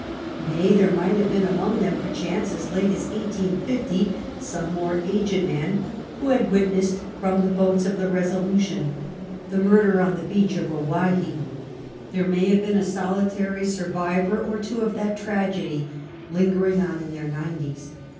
Nay, there might have been among them, perchance, as late as 1850, some more aged man, one who had witnessed from the boats of the Resdution the murder on the beach of Owhyhee ; there may have been a solitary survivor or two of that tragedy lingering 68 CAPTA/N COOK CHAP. on in their nineties.